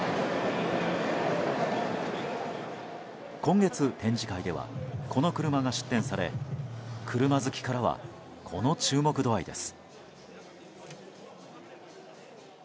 今月、展示会ではこの車が出展され車好きからはこの注目度合いです。